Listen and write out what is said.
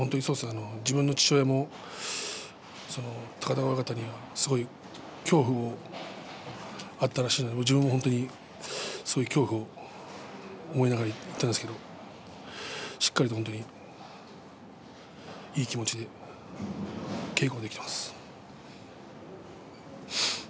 自分の父親も高田川親方にはすごい恐怖があったらしいので自分もすごい恐怖を思いながらいったんですけれどしっかりと本当に、いい気持ちで稽古できています。